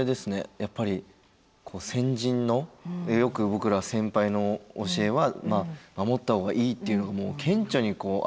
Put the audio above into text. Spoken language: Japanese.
やっぱり先人のよく僕ら先輩の教えは守った方がいいっていうのが顕著に表れているというか。